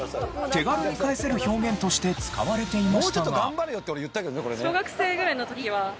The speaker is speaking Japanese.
手軽に返せる表現として使われていましたが。